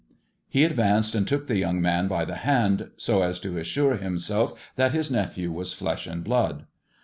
He advanced, and took the young man by the hand, so as to assure himself that his nephew was flesh and blood.